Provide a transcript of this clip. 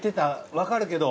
わかるけど！